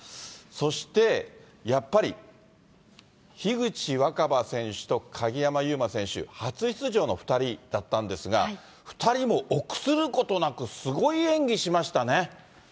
そして、やっぱり樋口新葉選手と鍵山優真選手、初出場の２人だったんですが、２人も臆することなく、すごい演技しましたね。